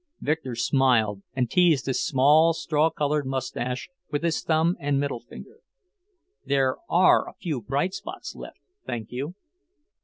Victor smiled and teased his small straw coloured moustache with his thumb and middle finger. "There are a few bright spots left, thank you!"